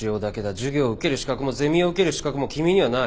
授業を受ける資格もゼミを受ける資格も君にはない。